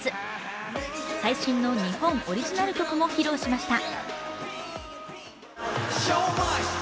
最新の日本オリジナル曲も披露しました。